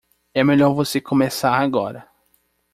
É melhor você começar agora.